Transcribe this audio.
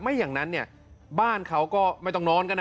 อย่างนั้นเนี่ยบ้านเขาก็ไม่ต้องนอนกันนะ